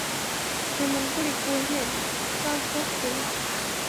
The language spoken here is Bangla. ক্ষেমংকরী কহিলেন, তা, হোক দেরি।